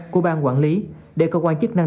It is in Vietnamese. của bang quản lý để cơ quan chức năng